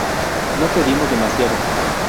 No pedimos demasiado.